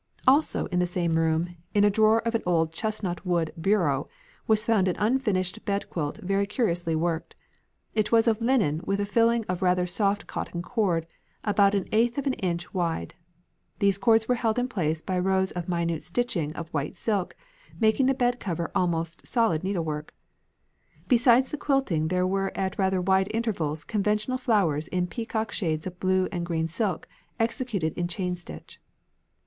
Also, in the same room, in a drawer of an old chestnut wood bureau, was found an unfinished bed quilt very curiously worked. It was of linen with a filling of rather soft cotton cord about an eighth of an inch wide. These cords were held in place by rows of minute stitching of white silk, making the bedcover almost solid needlework. Besides the quilting there were at rather wide intervals conventional flowers in peacock shades of blue and green silk executed in chain stitch.